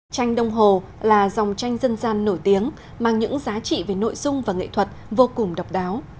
tranh đông hồ là dòng tranh dân gian nổi tiếng mang những giá trị về nội dung và nghệ thuật vô cùng độc đáo